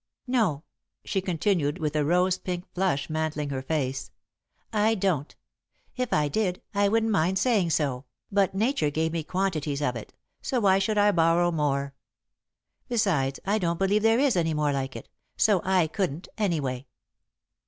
"No," she continued, with a rose pink flush mantling her face, "I don't. If I did, I wouldn't mind saying so, but Nature gave me quantities of it, so why should I borrow more? Besides, I don't believe there is any more like it, so I couldn't, anyway."